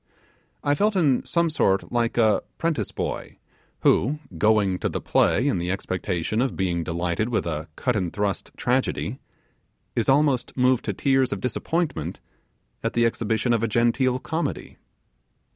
I felt in some sort like a 'prentice boy who, going to the play in the expectation of being delighted with a cut and thrust tragedy, is almost moved to tears of disappointment at the exhibition of a genteel comedy.